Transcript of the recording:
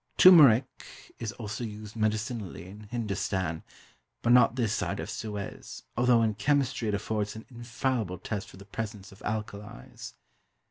Turmeric is also used medicinally in Hindustan, but not this side of Suez, although in chemistry it affords an infallible test for the presence of alkalies.